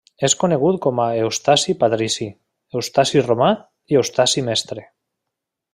És conegut com a Eustaci Patrici, Eustaci Romà, i Eustaci Mestre.